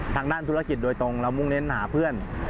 ทางด้านธุรกิจโดยตรงเรามุ่งเน้นหาเพื่อน